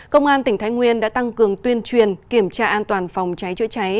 công an tỉnh thái nguyên đã tăng cường tuyên truyền kiểm tra an toàn phòng cháy chữa cháy